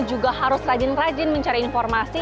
juga harus rajin rajin mencari informasi